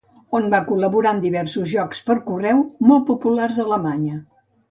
On va col·laborar en diversos jocs per correu molt populars a Alemanya.